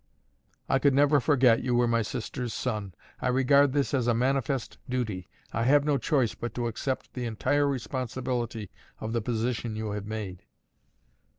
"I could never forget you were my sister's son. I regard this as a manifest duty. I have no choice but to accept the entire responsibility of the position you have made."